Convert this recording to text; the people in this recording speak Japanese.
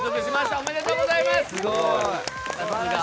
おめでとうございます。